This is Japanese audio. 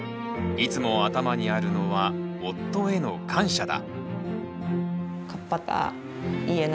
いつも頭にあるのは夫への感謝だ。